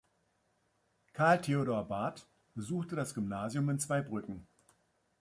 Carl Theodor Barth besuchte das Gymnasium in Zweibrücken.